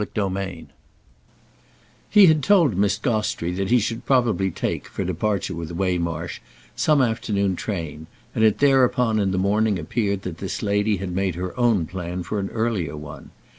III He had told Miss Gostrey he should probably take, for departure with Waymarsh, some afternoon train, and it thereupon in the morning appeared that this lady had made her own plan for an earlier one.